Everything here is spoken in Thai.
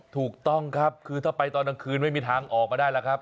ถูกต้องครับคือถ้าไปตอนกลางคืนไม่มีทางออกมาได้แล้วครับ